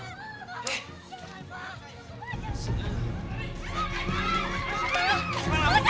jangan pak jangan pak